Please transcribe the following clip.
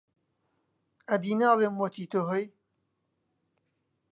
ئەدی ناڵێم، وەتی تۆ هەی،